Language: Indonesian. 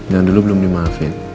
yang dulu belum dimaafin